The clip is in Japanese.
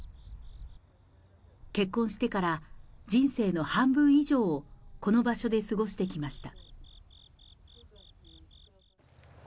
結婚してから人生の半分以上をこの場所で過ごしてきました